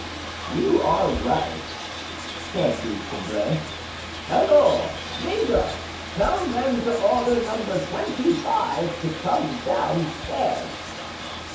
"You are right," said Du Tremblay. "Halloo, major! tell them to order Number 25 to come downstairs."